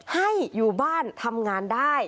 ให้อยู่บ้านทำงานได้